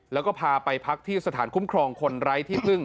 แล้วก็พาไปพักที่สถานคุ้มครองคนไร้ที่พึ่ง